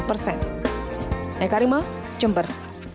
eka rima jember